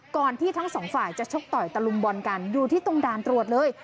ที่ทั้งสองฝ่ายจะชกต่อยตะลุมบอลกันอยู่ที่ตรงด่านตรวจเลย